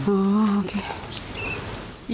อ๋อโอเค